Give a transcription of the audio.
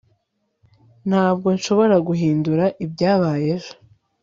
ntabwo nshobora guhindura ibyabaye ejo